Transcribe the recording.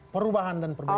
perubahan dan perbebasan